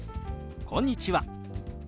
「こんにちは」。